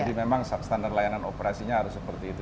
jadi memang standar layanan operasinya harus seperti itu